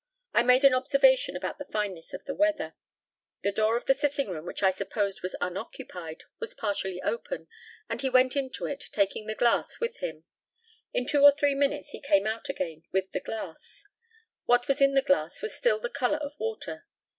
I made an observation about the fineness of the weather. The door of a sitting room, which I supposed was unoccupied, was partially open, and he went into it, taking the glass with him. In two or three minutes he came out again with the glass. What was in the glass was still the colour of water.